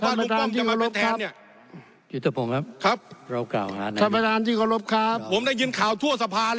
ว่าลุงป้อมจะมาเป็นแทนเนี่ยครับผมได้ยินข่าวทั่วสภาเลยครับ